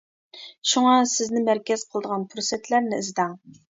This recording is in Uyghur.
شۇڭا سىزنى مەركەز قىلىدىغان پۇرسەتلەرنى ئىزدەڭ.